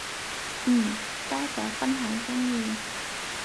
嗯，多謝分享經驗